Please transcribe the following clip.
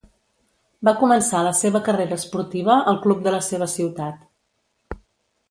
Va començar la seva carrera esportiva al club de la seva ciutat.